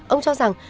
ông cho rằng